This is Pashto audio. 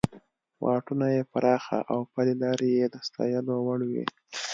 واټونه یې پراخه او پلې لارې یې د ستایلو وړ وې.